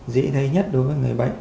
dễ thấy nhất đối với người bệnh